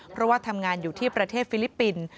เพราะว่าทำงานอยู่ที่ประเทศฟิลิปปินส์